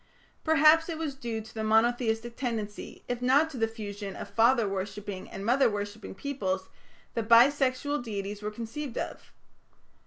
Perhaps it was due to the monotheistic tendency, if not to the fusion of father worshipping and mother worshipping peoples, that bi sexual deities were conceived of.